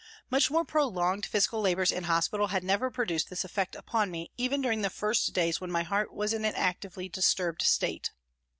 Much more prolonged physical labours in hospital had never produced this effect upon me even during the first days when my heart was in an actively disturbed state.